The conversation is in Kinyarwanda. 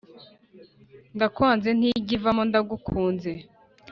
Ndakwanze ntijya ivamo ndagukunze.